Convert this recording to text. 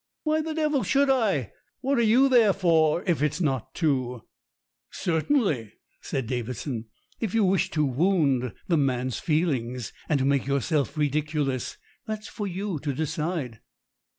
"Why the devil should I ? What are you there for if it's not to " "Certainly," said Davidson. "If you wish to wound the man's feelings, and to make yourself ridiculous, that's for you to decide."